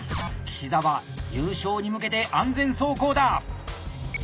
岸澤優勝に向けて安全走行だ！